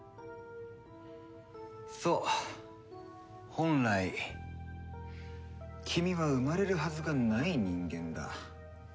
そう本来君は生まれるはずがない人間だ。